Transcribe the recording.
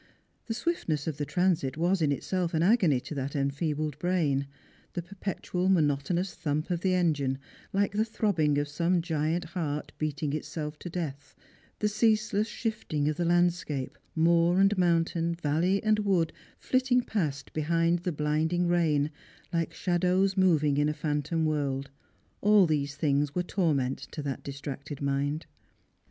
The swiftness of the transit was in itself an agony to that enfeebled brain ; the perpetual monotonous thump of the engine, like the throbbing of some giant heart beating itself to death ; the ceaseless shifting of the landscape — moor and mountain, valley and wood Hitting past behind the blinding rain, like shadows moving in a phantom world ; all these things were torment to that distracted mind.